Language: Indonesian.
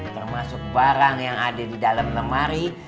termasuk barang yang ada di dalam lemari